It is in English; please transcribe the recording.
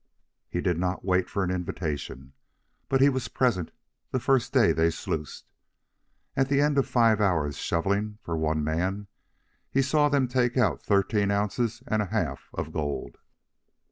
He did not wait for an invitation, but he was present the first day they sluiced. And at the end of five hours' shovelling for one man, he saw them take out thirteen ounces and a half of gold.